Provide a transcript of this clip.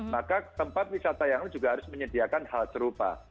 maka tempat wisata yang lain juga harus menyediakan hal serupa